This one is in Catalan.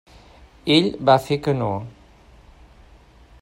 Ell va fer que no.